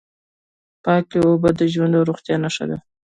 پاکې اوبه د ژوند او روغتیا نښه ده.